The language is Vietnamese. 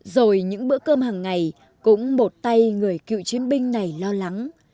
rồi những bữa cơm hàng ngày cũng một tay người cựu chiến binh này lo lắng